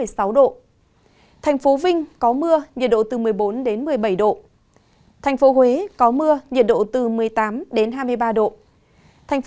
xin chào các bạn